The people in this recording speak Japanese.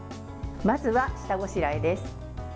まずは下ごしらえです。